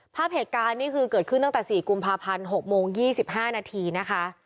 ภาพเหตุการณ์นี่คือเกิดขึ้นตั้งแต่สี่กุมภาพันธ์หกโมงยี่สิบห้านาทีนะคะ